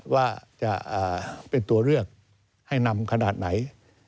ว่าจะเป็นตัวเลือกให้นำขนาดไหน